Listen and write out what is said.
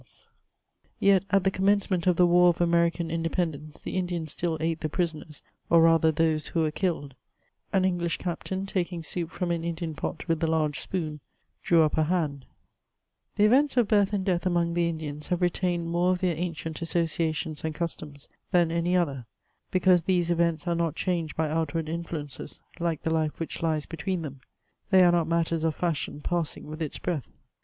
CHATEAUBRIAND. 277 Yet at the commencemeDt of the War of American Independ * ence, the Indians still ate the prisoners, or rather those who were killed ; an English captain, t^ng soup from an Indian pot with the large spoon, drew up a hand* The events of birth and death among the Indians have re tained more of their ancient associations and customs than any other ; because these events are not changed by outward in fluences, like the life which lies between them ; they are not matters of fashion passing with its breath.